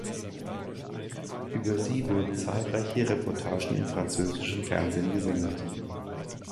Über sie wurden zahlreiche Reportagen im französischen Fernsehen gesendet.